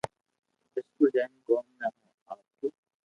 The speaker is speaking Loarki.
اسڪول جائين ڪوم تي آوتو